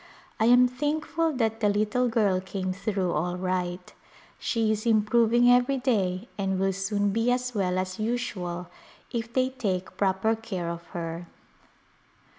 I am thankful that the little girl came through all right ; she is improving every day and will soon be as well as usual if they take proper care of her.